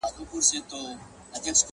د بېلتون غم مي پر زړه باندي چاپېر سو!